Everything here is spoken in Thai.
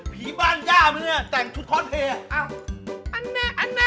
ผีบ้านหญ้ามึงด่วนนะน่ะอ้ออันน่ะ